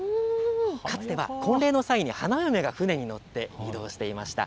かつては婚礼の際、花嫁が舟に乗って移動していました。